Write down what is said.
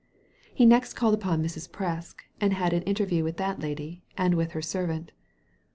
He next called upon Mrs. Presk, and had an interview with that lady, and with her servant.